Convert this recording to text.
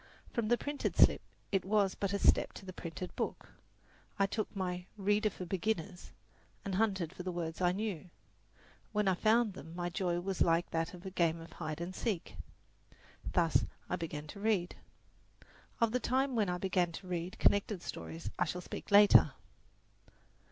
From the printed slip it was but a step to the printed book. I took my "Reader for Beginners" and hunted for the words I knew; when I found them my joy was like that of a game of hide and seek. Thus I began to read. Of the time when I began to read connected stories I shall speak later.